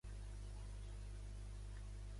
Va fer dels seus súbdits un manat d'esclaus.